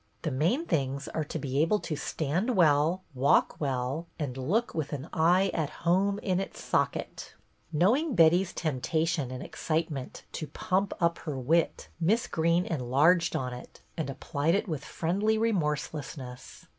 The main things are to be able to stand well, walk well, and look with an eye at home in its socket." BETTY BAIRD 148 Knowing Betty's temptation in excitement " to pump up her wit," Miss Greene enlarged on it and applied it with friendly remorseless ness.